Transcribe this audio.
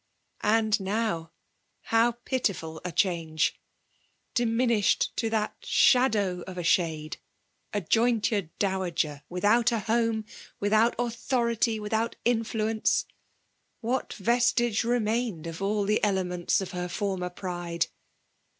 And now, how pitiful a change ! Diminished to that slkdow of a shade — a jointured dowager — ^without a home — ^without authority^— with out influence ; what vestige remained of all the dements of her former pride